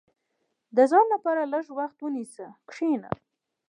• د ځان لپاره لږ وخت ونیسه، کښېنه.